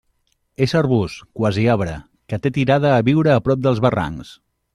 És arbust, quasi arbre, que té tirada a viure a prop dels barrancs.